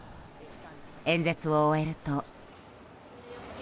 演説を終えると。